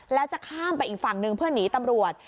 แล้วจะข้ามไปอีกฝั่งหนึ่งเพื่อหนีตำรวจ